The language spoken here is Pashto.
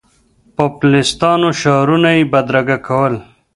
پوپلیستانو شعارونه یې بدرګه کول.